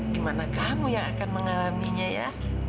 dimana kamu yang akan mengalaminya ya